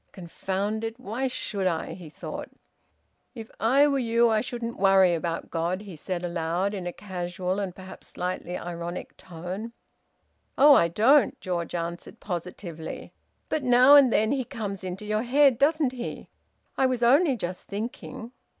"Confound it! Why should I?" he thought. "If I were you I shouldn't worry about God," he said, aloud, in a casual and perhaps slightly ironic tone. "Oh, I don't!" George answered positively. "But now and then He comes into your head, doesn't He? I was only just thinking."